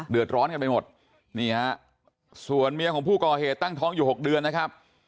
เดือดร้อนกันไปหมดนี่ฮะส่วนเมียของผู้ก่อเหตุตั้งท้องอยู่๖เดือนนะครับ